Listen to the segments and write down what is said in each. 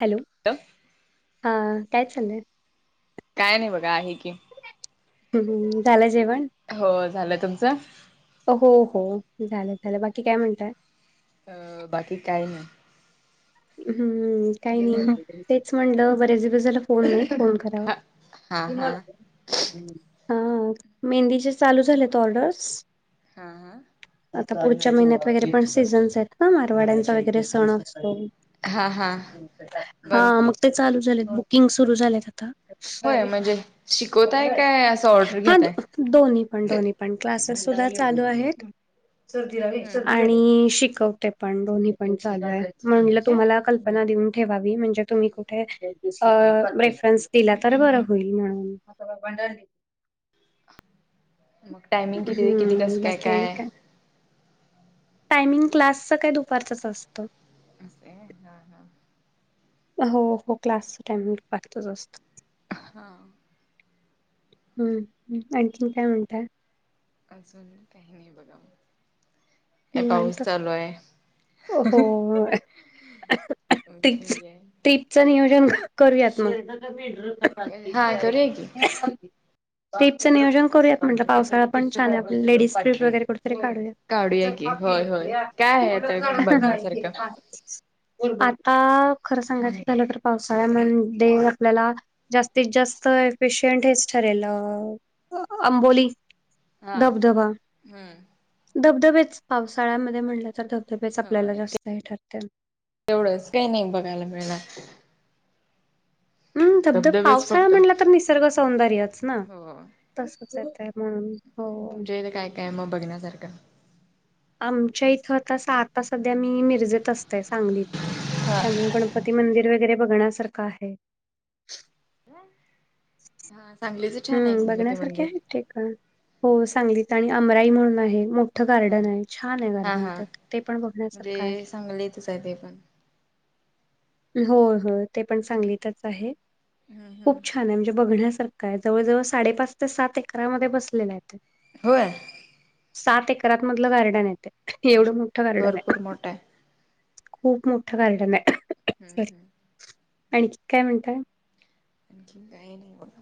Hello अ काय चाले. काय नाही बघा, आहे की. अ झालं जेवण. हो झालं तुमचं. हो हो झालं, झालं बाकी काय म्हणताय. बाकी काय नाही. हम. काही नाही तेच म्हटलं, बरेच दिवस झालं फोन नाही फोन करावं. हा हा हा हा मेहंदीचे चालू झालेत ऑर्डर्स हां हां. आता पुढच्या महिन्यात वगैरे पण, सीझन्स आहेत ना मारवाड्यांचा वगैरे सण असतो. हा हा हा हा मग ते चालू झाले, बुकिंग सुरू झालेत आता. होय म्हणजे, शिकवताय काय असं ऑर्डर हा घेताय. दोन्ही पण दोन्ही पण क्लासेस सुधा चालू आहेत. आणि, हम्म आणि शिकवते पण दोन्ही पण चालू ये चालय म्हणलं का तुम्हाला कल्पना देऊन. ठेवावी म्हणजे तुम्ही कुठे, रेफरन्स दिला तर बरं होईल म्हणून. मग टायमिंग किती ते किती हम्म कसं काय बाकी आणि काय. टायमिंग क्लासचं, काय दुपारचंच असतं. असं हाय होय हां हां. हो हो क्लासच टायमिंग दुपारचच असतं. हा. हम आणखीन काय म्हणताय. अजून काय नाही बघा मग, काय पाऊस चालूय. हो हो तेच. घरी च नियोजन करूयात मग. हा करूया की स्ट्रीपच नियोजन करूयात म्हटलं, पावसाळा पण छान आहे. आपल लेडीज स्ट्रीप वगैर कुठेतरी काढूया. [unintelligible] काढूया की होय होय काय आहे आता बघण्यासारखं आता खरं सांगायचं झालं तर, पावसाळ्यामध्ये आपल्याला. जास्तीत जास्त एफिशियंट हेच ठरेल आंबोली. हा धबधबा हम. धबधबेच पावसाळ्यामध्ये म्हटलं तर, धबधबेच आपल्याला होय जास्त हे ठरते. तेवढंच काय नाही बघायला मिळणार. म धबधब धबधबेच पावसाळा फक्त म्हणलं, तर निसर्ग सौंदर्यच ना. हो तसंच येत म्हणून हो. तुमच्या इथे काय काय मग बघण्यासारखं. आमच्या इथं आता स आता संध्या मी मिरजेत असत सांगलीत हा त्यामुळें गणपती मंदिर वगैरे बघण्यासारखं आहे. [unintelligible] हा सांगलीच. छान आहे हम्म गणपती ते बघण्यासारखे मंदिर आहेत तेे का हो सांगली. आणि अमराई म्हणून आहे, मोठं हा गार्डन आहे छान आहे. हा गार्डन हा तर ते पण बघण्यासारखं आहे. म्हणजे सांगलीतच आहे ते पण. होय होय ते पण हम्म सांगलीतच आहे, हम्म, खूप छान आहे म्हणजे बघण्यासारखं. काय जवळजवळ साडेपाच ते सात एकरामध्ये बसलेल आहे ते. होय. सात एकरात मधलं गार्डन आहे ते, म्हणजे एवढं मोठं गार्डन ये. भरपूर मोठा आहे खूप मोठं गार्डन आय. हम्म हम्. आणखी काय म्हणताय. आणखीन काही नाही बगा.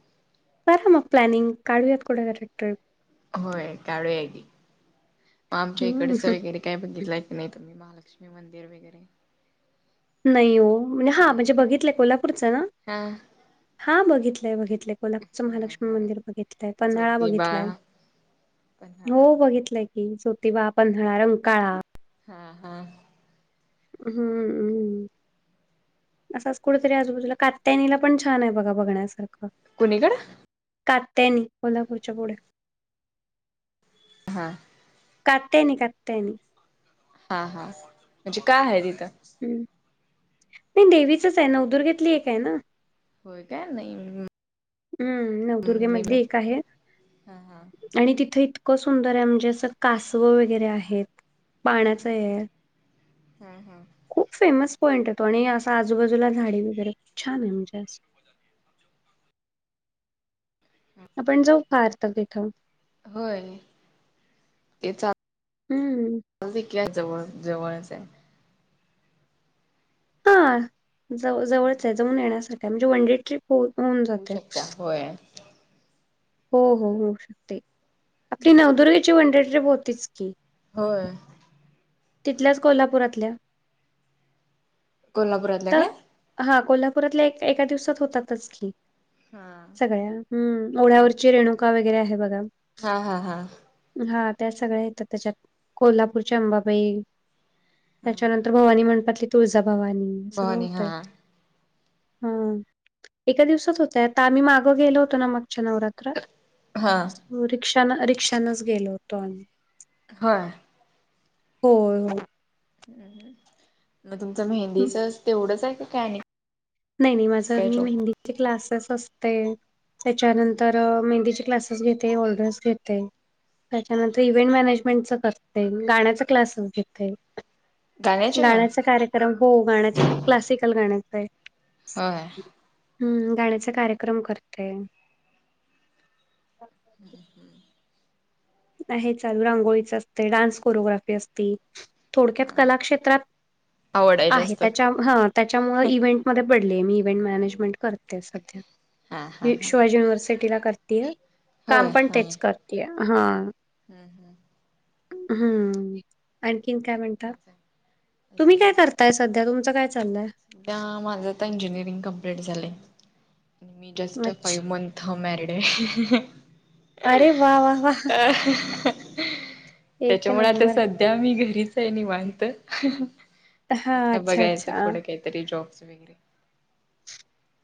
त्यात मग प्लॅनिंग काढूयात कुठे तरी ट्रीप. होय काढूया की, मग आमच्या इकडचा हम्म वगैरे. काय बघितलाय की नाही, तुम्ही महालक्ष्मी मंदिर वगैरे. नाही हो म्हणजे हा नाही म्हणजे, काय बघितलंय कोल्हापूरच ना हा हा बघितलंय बघितलंय. कोल्हापूरचा महालक्ष्मी मंदिर बघितलाय, पन्हाळा ज्योतिबा बघितलाय पण हा हो बघितलाय. जोतिबा पन्हाळा रंकाळा. हा हा. हम्म अम असाच कुठेतरी आजूबाजूला कात. कात्यानीला पण छान आहे बघा बघण्यासारखं. कुणीकड. कात्यायन कोल्हापूरच्या पुढे. हां. कात्यायनी कात्यायनी. हा हा म्हणजे, काय आहे तिथं. हम्म नाही देवीचच आहे, नवदुर्गेतली एक आहे ना. होय काय, नाही हम्म नवदुर्गेमधली नाही एक आहे. हा हा आणि तिथं इतकं सुंदर आहे म्हणजे, असं कासवं वगैरे आहेत. पाण्याचं ये. हा हा खूप फेमस पॉईंट आहेे तो, आणि असा आजूबाजूला झाडी वगैरे छान आहे म्हणजे असं. आपण जाऊ फार तर तिथं. होय तेचा. हम्म. जाऊया कि जवळ जवळचं आहे. ह जवळ जवळच आहे जाऊन येण्यासारखय म्हणजे वन डे ट्रीप हो होऊन होऊ जाते. शकता होय हो हो होऊ शकते आपली नवदुर्गेची वनडे ट्रीप होतीच की. होय. तिथल्याच कोल्हापुरातल्या. कोल्हापुरातल्या काय. हा कोल्हापुरातल्या एक एका दिवसात होतातच की. हा सगळ्या हम्म ओढ्यावरची रेणुका वगैरे आहे बघा. हा हा हा. हा त्या सगळ्या येतात त्याच्यात कोल्हापूरची अंबाबाई हा त्याच्यानंतर. भवानी मंडपातली तुळजाभवानी सगळं भवानी हा होतय. हम्म एका दिवसात होतय आता आम्ही माग गेलो होतो ना मागच्या नवरा. हा रिक्षा रिक्षानच गेलो होतो आम्ही. होय. होय हो. मग तुमचं हं, मेहंदीच तेवढंच आहे का आणि काय. नाही नाही माझ मी जॉब मेहंदीचे क्लासेस असते त्याच्यानंतर मेहंदी क्लासे. सेस घेते ऑर्डर्स घेते. त्याच्यानंतर इव्हेंट मॅनेजमेंटच करते गाण्याचा क्लासेस घेते. गाण्याचे पण गाण्याचा कार्यक्रम हो गाण्याचे क्लासिकल गाण्याच आहे. होय हम्म गाण्याचा कार्यक्रम करते. [inaudible] आहे चालू रांगोळीच असते डान्स कोरोग्राफी असती थोडक्यात कलाक्षेत्रात आवड आहे जास्त त्याचा ह त्याच्यामुळे इव्हेंट. मध्ये पडले मी इव्हेंट मॅनेजमेंट करते सध्या हा हा हा शिवाजी युव्हर्सिटीला करते. होय काम पण होय तेच करतीय हा. हम्म हम्म. हम्म आणखीन काय म्हणता तुम्ही अजून काय कर. ताय सध्या तुमचं काय चाललंय. माझं आता इंजिनिअरिंग कमप्लीट झालंय मी जस्ट मच्छ फाईव्ह मंथ हो मॅरिड आहे. अरे वा वा वा एक त्याच्यामुळे आता नंबर सध्या मी घरीच आहे निवांत हा आता अच्छा बघायचं. अच्छा पुढं काहीतरी जॉबच वैगेरे.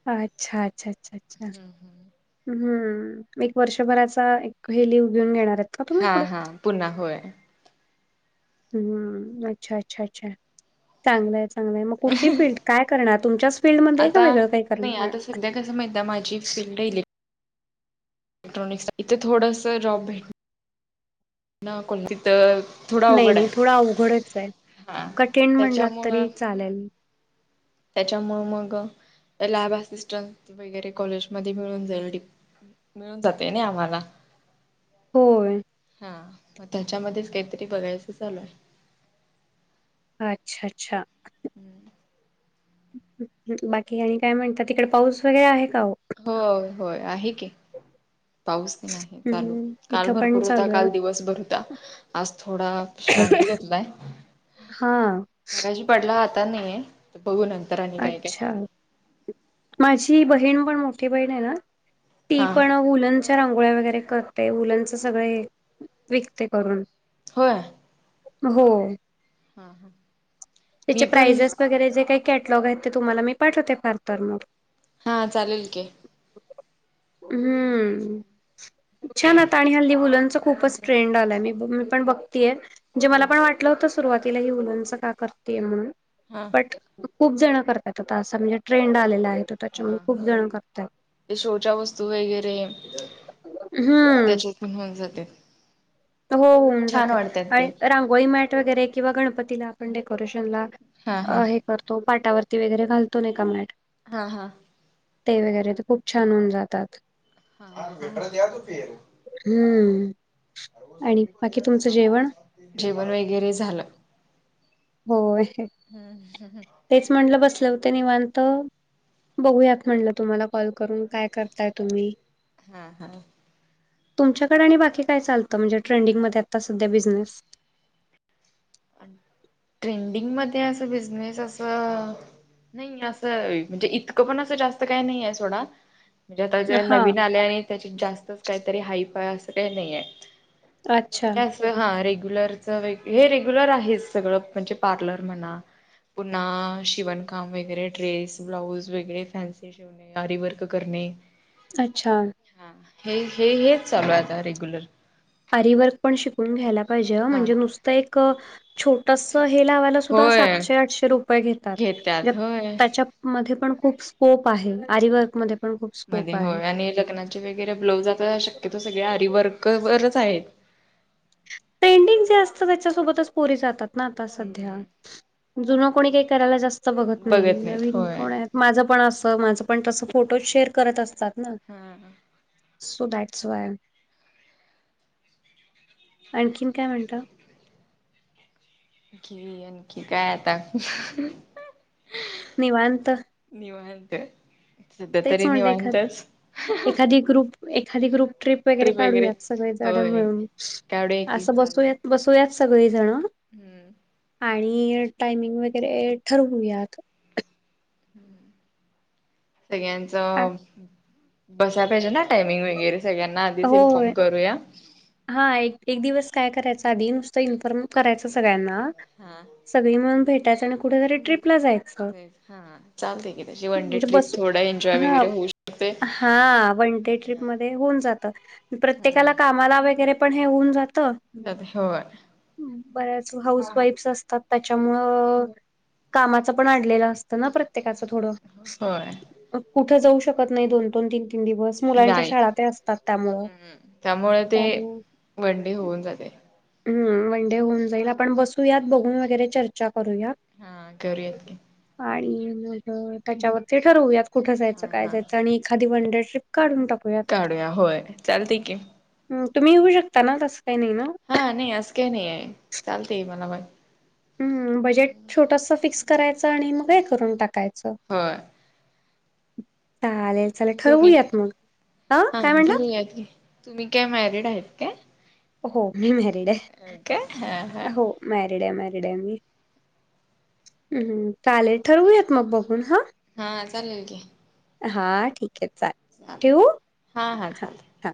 अच्छा अच्छा अच्छा अच्छा अच्छा. हम्म एक वर्षभराचा एक घेऊन देणाऱ्येत. हा हा पुन्हा होय. हम्म अच्छा अच्छा अच्छा. चांगलंय चांगलंय मग कुठली फील्ड काय करणार तुमच्याच फीलडमध्ये का वेगळं काही करणार. तस म्हणजे माझी फील्ड इले. इलेट्रॉनिक इथे थोडस जॉब भेट. कोणती तर. नाही नाही थोडा अवघडच आहे हा कठीण म्हणला तरी चालेल. [inaudible] त्याच्यामुळ मग लॅब असिस्टंट वगैरे कॉलेजमध्ये मिळून जाईल डी. मिळून जातंय नाही आम्हाला. होय. हा मग त्याच्यामध्येच काहीतरी बघायचं चालूय. अच्छा अच्छा. हम्म. बाकी आणि काय म्हणता तिकडे पाऊस वगैरे आहे का ओ. होय होय आहे की. पाऊस पण आहे चालू हम्म काल इथं पण भरपूर होता चालू आहे. काल दिवसभर होता. आज थोडा शविश्रांती घेतलाय. हा. मगाशी पडला आता नाहीय तर बघू न. अच्छा माझी बहीण पण मोठी बहीण आहे ना. ती हा पण वुलनच्या रांगोळ्या वैगेरे करते वूलच सगळे विकते करून. होय. हो हा हा त्याचे मी पण प्राइजेस वैगेरे जे काही. कॅटलॉग आहेत ते तुम्हाला मी पाठवते फार तर मग हा चालेल की. हम्म छान आता आणि हल्ली वुलंच खूपच. ट्रेंड आलाय मी मी पण बघतीय म्हणजे हा मला पण वाट. वाटल होत सुरुवातीला हे वूलनच का करतेय म्हणून. हा खूप जण करतायत आता असं म्हणजे ट्रेंड आलेला आहे त त्याच्यामुळे हा खूप हा जण करताय. ते शोच्या वस्तू वगैरे हम्म त्याच्यातण होऊन जाते. हो होऊन छान जातय वाटतात ते आणि रांगोळी मॅट वगैरे किंवा गणपतीला आपण डेकोरेशनला. हा हा अ हे करतो पाटावरती वगैरे घालतो नाही का मॅट. हा हा. ते वगैरे ते खूप छान होऊन जातात. हा [unintelligible] हम्म. आणि बाकी तुमचं जेवण जेवण वगैरे झालं. होय. हम्म. म्हटलं बसले होते निवांत. बघूयात म्हटलं तुम्हाला कॉल करून काय करताय तुम्ही. हा हा. तुमच्याकडे आणि बाकी काय चालतं म्हणजे ट्रेंडिंग मध्ये आता सध्या बिझनेस. ट्रेंडिंग मध्ये असं बिझनेस असं. नाही असं म्हणजे इतकं पण असं जास्त काही नाही आहे सोडा. म्हणजे आता जर हा नवीन आल्या आणि त्याची जास्तच काहीतरी हायफाय असं का नाही आहे. अच्छा. हा रेग्युलर हे रेग्युलर आहे सगळं म्हणजे पार्लर म्हणा. पुन्हा शिवणकाम वगैरे ड्रेस ब्लाऊज वगैरे फॅन्सी. आरी वर्क करणे. अच्छा हा हे हे हेच चालू आता रेग्युलर. आरीवर्क पण शिकून घ्यायला पाहिजे ह हा म्हणजे नुसतं एक छोट. तस हे लावायला सुद्धा होय सातशे आठशे रुपये घेतात घेत्यात होय त्याच्या. मध्ये पण खूप स्कोप आहे आरीवर्क मध्ये पण खूप स्कोप मध्ये आहे. होय आणि लग्नात. चे वगैरे ब्लाऊज आता शक्यतो सगळे आरीवर्कवरच आहेत. ट्रेडिंग जे असत त्याच्यासोबतच पोरी जातात ना आता सध्या. हम्म जुन कोणी काही करायला जास्त बघत नाही नाहीत नवीन होय. कोणा. माझं पण असं माझं पण तस फोटो शेअर करत असतात ना. हा. So that's why. आणखीन काय म्हणता आणखी काय आता. निवांत. निवांत सध्या तरी निवांतच. अधिक रूप. एखादी ग्रुप ट्रीप वगैरे काढूयात सगळे जण होय. मिळून. कावडे एकी असं चालतात बसूयात की बसूयात सगळी जण. हम्म आणि टायमिंग वगैरे ठरवूयात. आ- सगळ्यांचं. बसायला पाहिजे ना टायमिंग वगैरे सगळ्यांना आधीच इन्फॉर्म होय. करूया. हा एक एक दिवस काय करायचं आधी नुसतं इन्फॉर्म करायचं सगळ्यांना. हा हा. सगळी मिळून भेटायचं आणि कुठेतरी ट्रिपला जायचं. हा चालते की त्याची वन डे म्हणजे ट्रिप बसू थोडा एन्जॉय हा वगैरे होऊ शकतय. हा वन डे ट्रीपमध्ये होऊन जातं प्रत्येकाला कामाला वगैरे पण हे होऊन जातं. होय बऱ्याच हाऊस वाईफ्स असतात त्याच्यामुळं. कामाचा पण अडलेल असतं ना प्र. प्रत्येकाचं थोडं होय मग कुठं जाऊ शकत नाही दोन दोन तीन दिवस मुलांच्या नाही शाळा तेन असतात. त्यामुळं. हम्म त्यामुळे ते त्यामुळं वन डे होऊन जाते. हम्म वन डे होऊन जाईल आपण बसूयात बघून वगैरे चर्चा करूया. हा करूयात की. आणि मग त्याच्यावरती ठरवूयात कुठं जायचं हा काय हा जायचं आणि. आणि एखादी वन डे ट्रिप काढून टाकू. काढूया होय चालते की. हम्म तुम्ही येऊ शकता ना तसं काही नाही ना. हा नाही असं काय नाही आहे चालतय मला हम्म बजेट छोटस फिक्स करायचं आणि मग हे करून टाकायचं. होय चालेल चालेल तुम्ही ठरवूयात मग अ हा काय म्हटला. [unintelligible] तुम्ही काय मॅरिड आहेत काय. हो मी मॅरिड आहे काय हा हा हो मॅरिड आहे मॅरिड आहे मी. हम्म चालेल ठरवूयात मग बघून हा. हा चालेल की. हा ठीक आहे. चालेल. ठेवू? चालतंय हा हा हां, चालतय. हां.